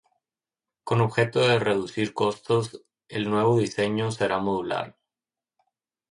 Con objeto de reducir costes, el nuevo diseño será modular.